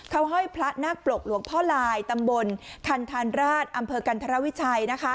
เค้าให้พระนักปลกหลวงพลาอยตำบลธันทลาดอำเภอกันธรวิชัย